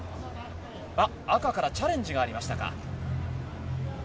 赤から、赤からチャレンジがありましたか。